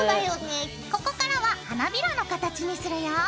ここからは花びらの形にするよ。